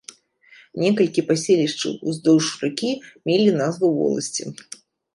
Некалькі паселішчаў уздоўж ракі мелі назву воласці.